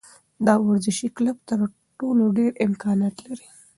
دا ورزشي کلب تر ټولو ډېر امکانات لري.